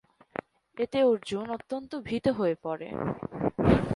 এতে অর্জুন অত্যন্ত ভীত হয়ে পড়ে।